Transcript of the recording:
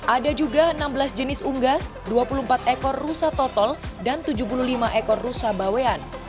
ada juga enam belas jenis unggas dua puluh empat ekor rusa total dan tujuh puluh lima ekor rusa bawean